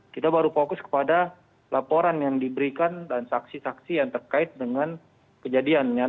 kita baru fokus kepada laporan yang diberikan dan saksi saksi yang terkait dengan kejadian